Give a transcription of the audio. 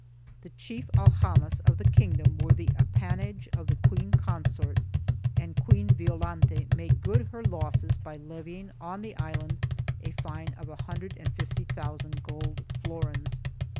The chief aljamas of the kingdom were the appan age of the queen consort and Queen Violante made good her losses by levying on the island a fine of 150,000 gold florins.